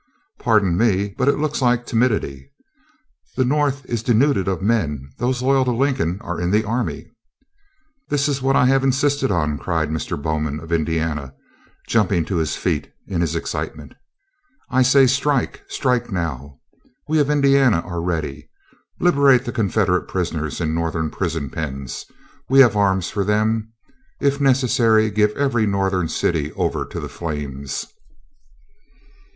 Pardon me, but it looks like timidity. The North is denuded of men, those loyal to Lincoln are in the army." "That is what I have insisted on," cried Mr. Bowman, of Indiana, jumping to his feet in his excitement. "I say strike, strike now! We of Indiana are ready. Liberate the Confederate prisoners in Northern prison pens! We have arms for them. If necessary, give every Northern city over to the flames."